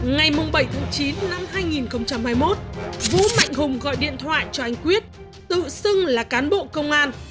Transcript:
ngày bảy chín hai nghìn hai mươi một vũ mạnh hùng gọi điện thoại cho anh quyết tự xưng là cán bộ công an